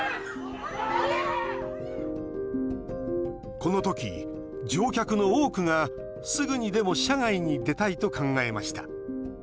このとき、乗客の多くがすぐにでも車外に出たいと考えました。